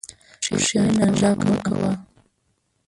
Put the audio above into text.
کښېنه، غږ مه کوه.